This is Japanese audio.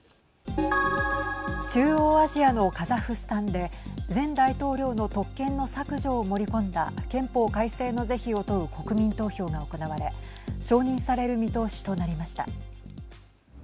中央アジアのカザフスタンで前大統領の特権の削除を盛り込んだ憲法改正の是非を問う国民投票が行われ承認される見通しとなりました。